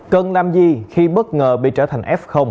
cần đam di khi bất ngờ bị trở thành f